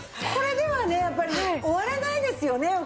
これではねやっぱり終われないですよね？